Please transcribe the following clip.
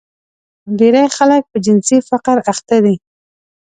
ډېری خلک په جنسي فقر اخته دي.